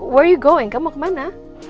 where are you going kamu kemana